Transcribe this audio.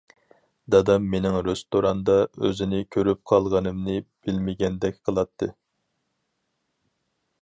دادام مېنىڭ رېستوراندا ئۆزىنى كۆرۈپ قالغىنىمنى بىلمىگەندەك قىلاتتى.